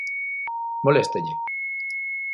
¿Moléstalle?